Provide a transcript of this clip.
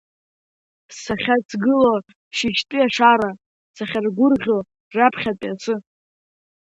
Сахьацгыло шьыжьтәи ашара, сахьаргәырӷьо раԥхьатәи асы.